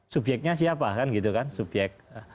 subyeknya siapa kan gitu kan subyek